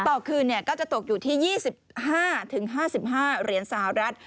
ต่อคืนก็จะตกอยู่ที่๒๕๕๕เหรียญสหรัฐ